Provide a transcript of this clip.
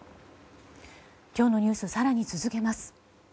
今日のニュース更に続けます。